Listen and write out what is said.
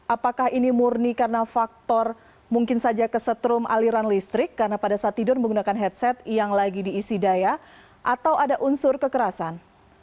apakah ini murni karena faktor mungkin saja kesetrum aliran listrik karena pada saat tidur menggunakan headset yang lagi diisi daya atau ada unsur kekerasan